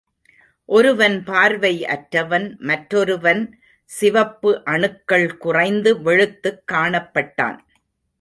ஒருவன் பார்வை அற்றவன் மற்றொருவன் சிவப்பு அணுக்கள் குறைந்து வெளுத்துக் காணப்பட்டான்.